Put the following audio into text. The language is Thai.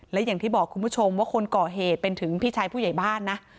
และอย่างที่บอกคุณผู้ชมว่าคนก่อเหตุเป็นถึงพี่ชายผู้ใหญ่บ้านนะ